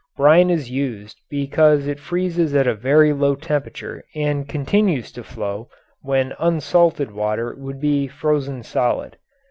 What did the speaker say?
Brine is used because it freezes at a very low temperature and continues to flow when unsalted water would be frozen solid.